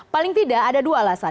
paling tidak ada dua alasan